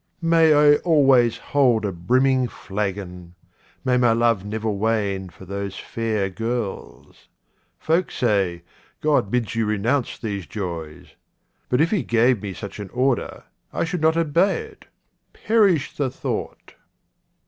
May I always hold a brimming flagon ! May my love never wane for those fair girls. Folk say, God bids you renounce these joys ; but if He gave me such an order, I should not obey it. Perish the thought